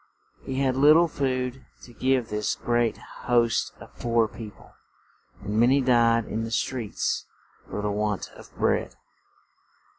He had lit tle food to give this great host of poor peo ple, and ma ny died in the streets for the want of bread.